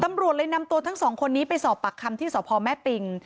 ตำรวจเลยนำตัวทั้งสองคนนี้ไปสอบปากคำที่สพแม่ปิง